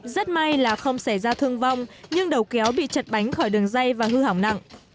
rất may là không xảy ra thương vong nhưng đầu kéo bị chật bánh khỏi đường dây và hư hỏng nặng